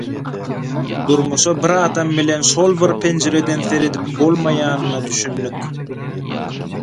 Durmuşa bir adam bilen şol bir penjireden seredip bolmaýanyna düşündik.